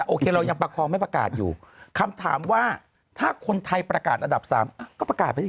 โอเคเรายังประคองไม่ประกาศอยู่คำถามว่าถ้าคนไทยประกาศอันดับสามก็ประกาศไปสิ